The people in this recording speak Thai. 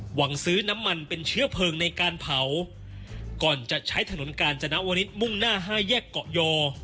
หวังซื้อน้ำมันเป็นเชื้อเพลิงในการเผาก่อนจะใช้ถนนกาญจนวริสมุ่งหน้าห้าแยกเกาะยอ